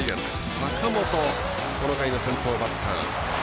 坂本、この回の先頭バッター。